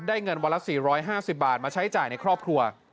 เงินวันละ๔๕๐บาทมาใช้จ่ายในครอบครัว